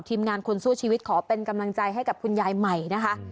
ทีมงานคนสู้ชีวิตขอเป็นกำลังใจให้กับคุณยายใหม่นะคะ